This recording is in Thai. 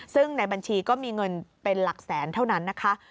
ซึ่งในบัญชีก็มีเงินเป็นหลักแสนเท่านั้นนะคะ